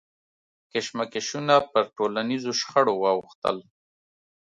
کشمکشونه پر ټولنیزو شخړو واوښتل.